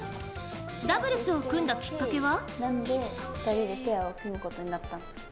ダブルスを組んだきっかけは？